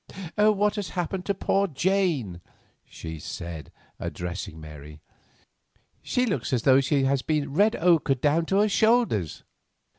"What has happened to poor Jane?" she said, addressing Mary. "She looks as though she had been red ochred down to her shoulders."